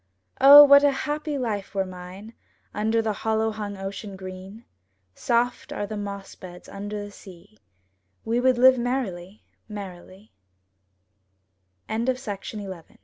O, what a happy life were mine Under the hollow hung ocean green! Soft are the moss beds under the sea; We would live merrily, me